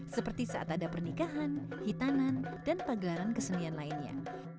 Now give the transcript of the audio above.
seperti saat ada pernikahan hitanan dan pagelaran kesenian lainnya